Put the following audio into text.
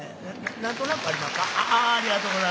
何となく分かりまっか？